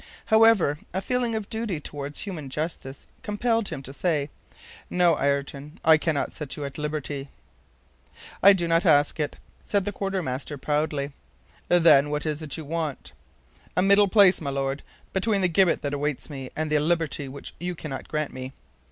However, a feeling of duty toward human justice compelled him to say: "No, Ayrton, I cannot set you at liberty." "I do not ask it," said the quartermaster proudly. "Then, what is it you want?" "A middle place, my Lord, between the gibbet that awaits me and the liberty which you cannot grant me."